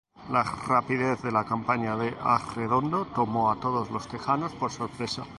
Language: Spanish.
La rapidez de la campaña de Arredondo tomó a los Tejanos por sorpresa.